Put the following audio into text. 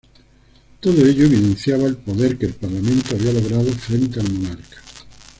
Todo ello evidenciaba el poder que el Parlamento había logrado frente al monarca.